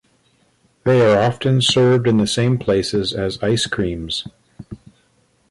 They are often served in the same places as ice creams.